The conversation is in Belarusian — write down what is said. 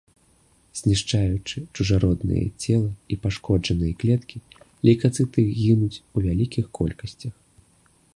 Знішчаючы чужародныя целы і пашкоджаныя клеткі, лейкацыты гінуць у вялікіх колькасцях.